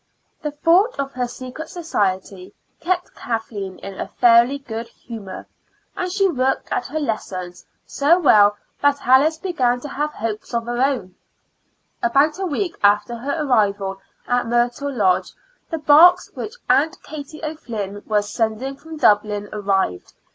The thought of her secret society kept Kathleen in a fairly good humor, and she worked at her lessons so well that Alice began to have hopes of her. About a week after her arrival at Myrtle Lodge the box which Aunt Katie O'Flynn was sending from Dublin arrived.